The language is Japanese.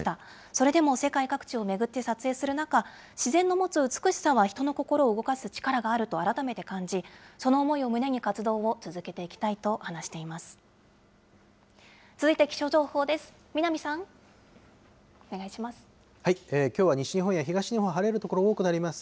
それでも世界各地を巡って撮影する中、自然の持つ美しさは人の心を動かす力があると改めて感じ、その思いを胸に活動を続けていきたいと話しています。